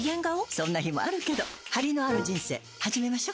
そんな日もあるけどハリのある人生始めましょ。